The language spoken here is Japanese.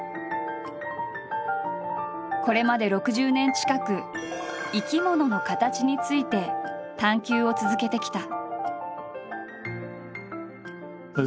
これまで６０年近く「生き物の形」について探究を続けてきた。